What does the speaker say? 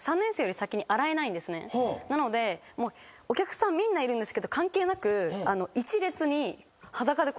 なのでお客さんみんないるんですけど関係なく１列に。